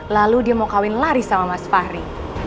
lalu dia mau kawin lari sama mas fahri